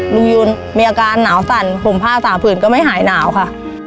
ยูนมีอาการหนาวสั่นผมผ้าฝ่าผื่นก็ไม่หายหนาวค่ะ